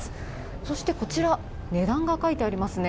そして、こちら値段が書いてありますね。